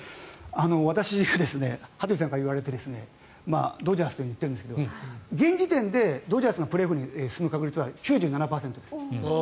私は羽鳥さんから言われてドジャースと言ってるんですが現時点でドジャースがプレーオフに進む確率は９７％です。